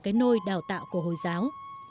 cái nôi đào tạo của hồi giáo